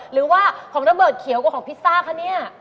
หรือว่าของระเบิดเขียวกว่าของพิซซ่าคะเนี่ย